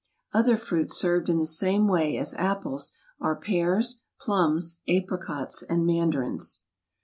Other fruits served in the same way as apples are pears, plums, apricots, and mandarins.